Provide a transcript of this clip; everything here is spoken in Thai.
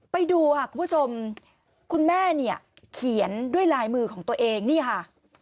ไปดูค่ะคุณผู้ชมคุณแม่เนี่ยเขียนด้วยลายมือของตัวเองนี่ค่ะ